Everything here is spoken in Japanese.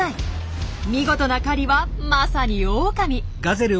見事な狩りはまさにオオカミ。